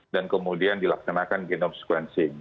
dan kemudian dilaksanakan genome sequencing